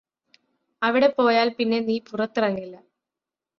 അവിടെ പോയാല് പിന്നെ നീ പുറത്തിറങ്ങില്ല